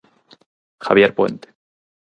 Javier Puente.